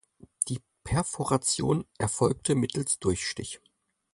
Die Perforation erfolgte mittels Durchstich.